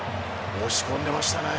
押し込んでましたね。